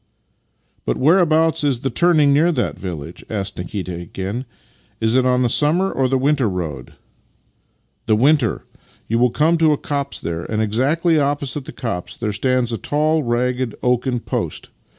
" But whereabouts is the turning near that village? " asked Nikita again. " Is it on the summer or the winter road? "" The vv'inter. You will come to a copse there, and exactly opposite the copse there stands a tall, ragged oaken post.